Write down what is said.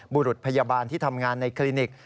บุรุษพยาบาลที่ทำงานในคลินิก